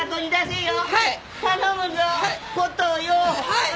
はい。